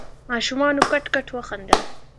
ماشومانو کټ کټ وخندل.